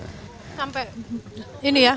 sampai ini ya